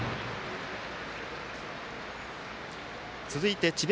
続いて智弁